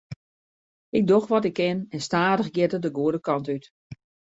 Ik doch wat ik kin en stadich giet it de goede kant út.